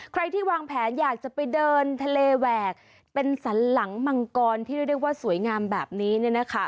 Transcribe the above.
ใครที่วางแผนอยากจะไปเดินทะเลแหวกเป็นสันหลังมังกรที่เรียกได้ว่าสวยงามแบบนี้เนี่ยนะคะ